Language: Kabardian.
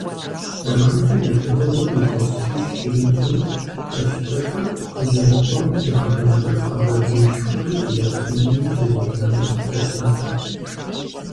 Романхэ я тетыгъуэр илъэс щищ щырикъум, пащтыхьыр къызэрыкӀуэм и хъыбарыр Къэбэрдеишхуэми Джылахъстэнейми щызэлъащӀысат.